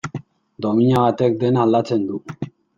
Domina batek dena aldatzen du.